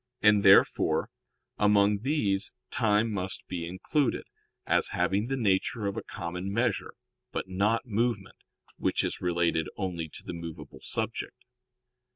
And, therefore, among these time must be included, as having the nature of a common measure; but not movement, which is related only to the movable subject.